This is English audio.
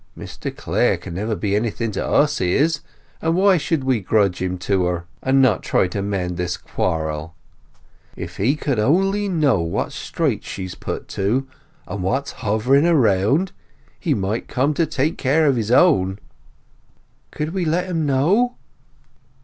Mr Clare can never be anything to us, Izz; and why should we grudge him to her, and not try to mend this quarrel? If he could on'y know what straits she's put to, and what's hovering round, he might come to take care of his own." "Could we let him know?"